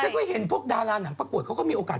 แล้วก็เห็นพวกดาราหนังประกวดเขาก็มีโอกาส